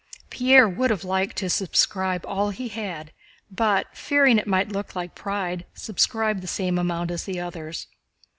Pierre would have liked to subscribe all he had, but fearing that it might look like pride subscribed the same amount as the others.